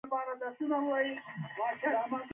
زه د خپلو هڅو نتیجه خوښوم.